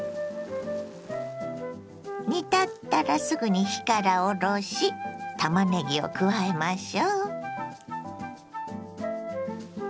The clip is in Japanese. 煮立ったらすぐに火から下ろしたまねぎを加えましょ。